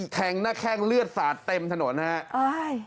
แทงหน้าแข้งเลือดสาดเต็มถนนฮะ